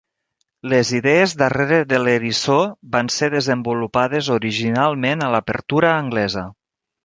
Les idees darrere de l'eriçó van ser desenvolupades originalment a l'apertura anglesa.